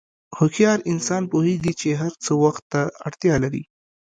هوښیار انسان پوهېږي چې هر څه وخت ته اړتیا لري.